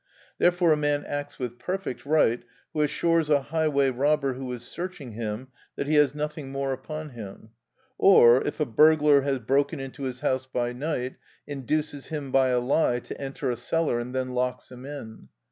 Therefore a man acts with perfect right who assures a highway robber who is searching him that he has nothing more upon him; or, if a burglar has broken into his house by night, induces him by a lie to enter a cellar and then locks him in.